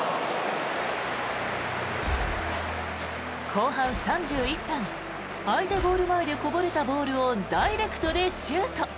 後半３１分相手ゴール前でこぼれたボールをダイレクトでシュート。